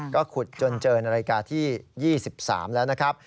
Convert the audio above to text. ก็ขุดจนเจอนาฬิกาที่๒๓แล้วนะครับ